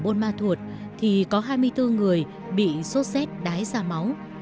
trường đất rộn ma thuột thì có hai mươi bốn người bị xốt xét đái ra máu